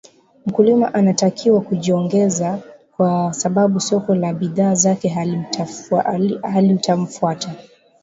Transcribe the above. Mkulima anatakiwa kujiongeza kwa sababu soko la bidhaa zake halitamfuata